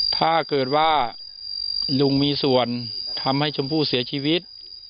ถ้าเกิดว่าลุงมีส่วนทำให้ชมพู่เสียชีวิต